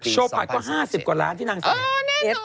โชว์พาร์ดกว่า๕๐กว่าล้านที่นางซื้อเออแน่นอน